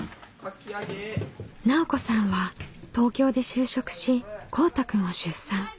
奈緒子さんは東京で就職しこうたくんを出産。